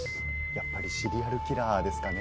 やっぱりシリアルキラーですかね。